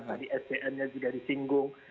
tadi sdm nya juga disinggung